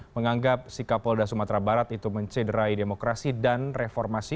menganggap sikap polda sumatera barat itu mencederai demokrasi dan reformasi